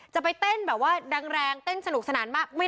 จะไปเต้นแบบว่าหลังเร็งสนุกษนัดมาไม่